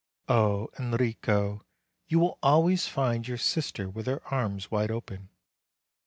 O Enrico, you will always find your sister with her arms wide open.